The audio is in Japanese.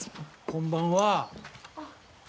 こんばんは。